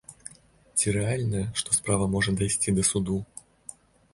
Ці рэальна, што справа можа дайсці да суду?